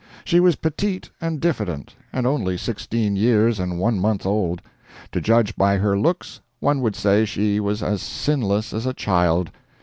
She was petite and diffident, and only sixteen years and one month old. To judge by her looks, one would say she was as sinless as a child.